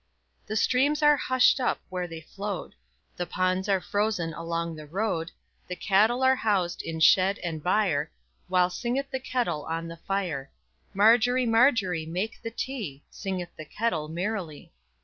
The streams are hushed up where they flowed, The ponds are frozen along the road, The cattle are housed in shed and byreWhile singeth the kettle on the fire. Margery, Margery, make the tea, Singeth the kettle merrily.